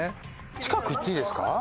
近く行っていいですか？